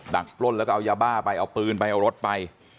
ปล้นแล้วก็เอายาบ้าไปเอาปืนไปเอารถไป